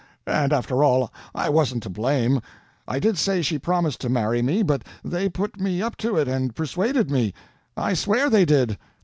And, after all, I wasn't to blame. I did say she promised to marry me, but they put me up to it and persuaded me. I swear they did!"